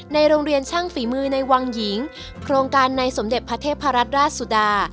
ในโรงเรียนช่างฝีมือในวังหญิงโครงการในสมเด็จพระเทพรัตนราชสุดา